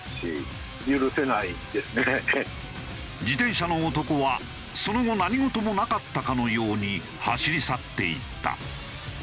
自転車の男はその後何事もなかったかのように走り去っていった。